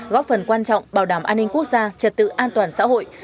góp phần quan trọng bảo đảm an ninh quốc gia trật tự an toàn xã hội